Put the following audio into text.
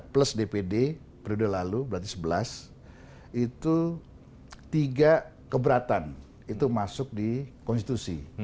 plus dpd periode lalu berarti sebelas itu tiga keberatan itu masuk di konstitusi